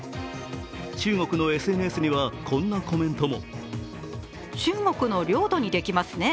中国のＳＮＳには、こんなコメントも。